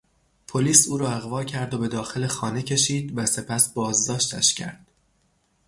پلیس او را اغوا کرد و به داخل خانه کشید و سپس بازداشتش کرد.